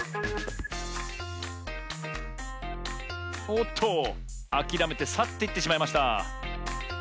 おっとあきらめてさっていってしまいました。